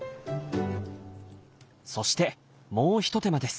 そしてもう一手間です。